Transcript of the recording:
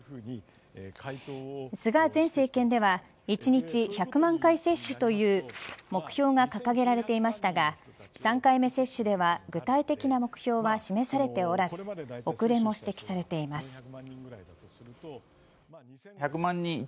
菅前政権では１日１００万回接種という目標が掲げられていましたが３回目接種では具体的な目標は示されておらず遅れも指摘されています。